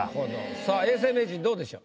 さあ永世名人どうでしょう？